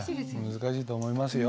難しいと思いますよ。